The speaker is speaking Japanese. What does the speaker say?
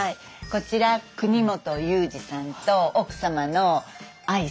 こちら國本ユージさんと奥様の愛さんです。